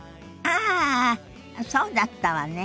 ああそうだったわね。